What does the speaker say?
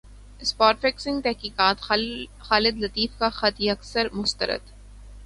spot fixing تحقیقات خالد لطیف کا خط یکسر مسترد